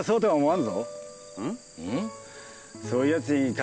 ん？